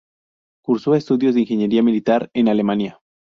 Cursó estudios de ingeniería militar en Alemania.